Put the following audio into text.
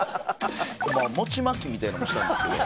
餅まきみたいなのもしたんですけど。